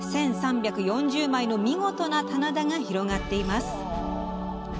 １３４０枚の見事な棚田が広がっています。